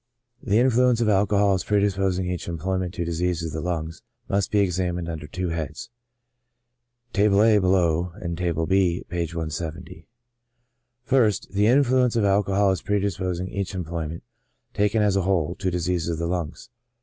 i66 ON THE ABUSE OF ALCOHOL The influence of alcohol as predisposing each employ ment to diseases of the lungs, must be examined under two heads (Table A, below, and Table B, p. 170.) ist. The influence of alcohol as predisposing each em ployment, taken as a whole, to diseases of the lungs.